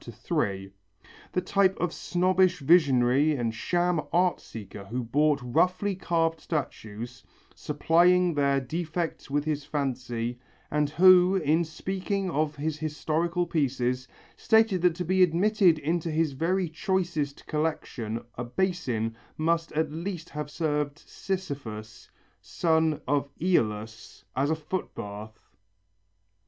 _, 3), the type of a snobbish visionary and sham art seeker who bought roughly carved statues, supplying their defects with his fancy, and who, in speaking of his historical pieces, stated that to be admitted into his very choicest collection a basin must at least have served Sisyphus, son of Æolus, as a foot bath!